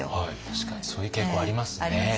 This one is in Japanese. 確かにそういう傾向ありますね。